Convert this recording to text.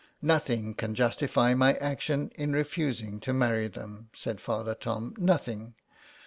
" Nothing can justify my action in refusing to marry them," said Father Tom, ''nothing.